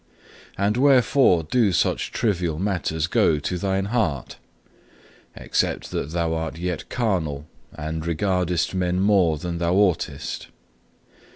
And wherefore do such trivial matters go to thine heart, except that thou art yet carnal, and regardest men more than thou oughtest?